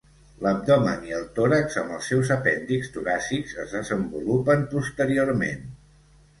L'abdomen i el tòrax amb els seus apèndixs toràcics es desenvolupen posteriorment.